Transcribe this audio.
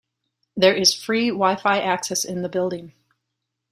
There is free Wi-Fi access in the building.